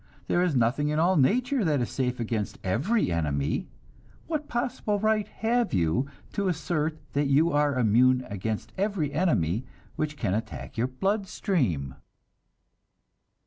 There is nothing in all nature that is safe against every enemy. What possible right have you to assert that you are immune against every enemy which can attack your blood stream?"